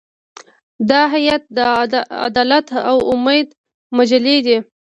دا هیئت د عدالت او امید مجلې دی.